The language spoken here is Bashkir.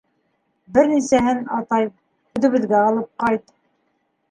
Бер нисәһен, атай, үҙебеҙгә алып ҡайт.